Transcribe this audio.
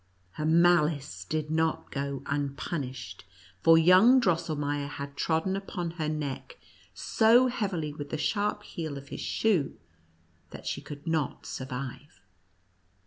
Her malice did not go unpunished, for young Drosselmeier had trodden upon her neck so heavily with the sharp heel of his shoe that she could not survive.